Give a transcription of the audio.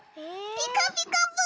「ピカピカブ！」。